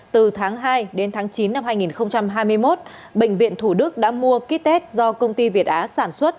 từ tháng hai đến tháng chín năm hai nghìn hai mươi một bệnh viện thủ đức đã mua kit test do công ty việt á sản xuất